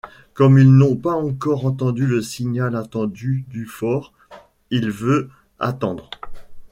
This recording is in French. Comme ils n'ont pas encore entendu le signal attendu du fort, il veut attendre.